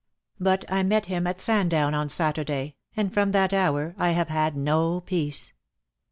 But I met him at Sandown on Saturday, and from that hour I have had no peace.